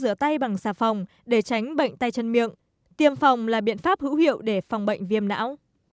rửa tay bằng xà phòng để tránh bệnh tay chân miệng tiêm phòng là biện pháp hữu hiệu để phòng bệnh viêm não